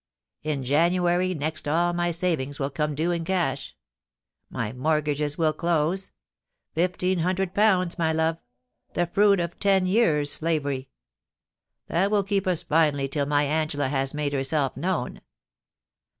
In January next all my savings will come due in cash. My mortgages will close. Fifteen hundred pounds, my love, the fruit of ten years' slavery. That will keep us finely till my Angela has made herself known.